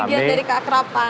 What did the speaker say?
bagian dari keakraban